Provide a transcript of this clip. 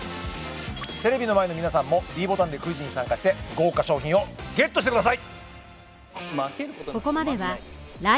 テレビの前の皆さんもｄボタンでクイズに参加して豪華賞品をＧＥＴしてください